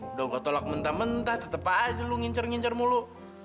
udah gue tolak mentah mentah tetep aja lo ngincer ngincer mulu